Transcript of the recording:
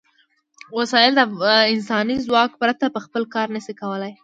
وسایل د انساني ځواک پرته په خپله کار نشي کولای.